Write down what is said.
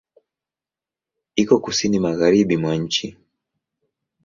Iko Kusini magharibi mwa nchi.